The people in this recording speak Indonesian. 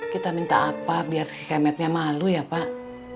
kita minta apa biar kemetnya malu ya pak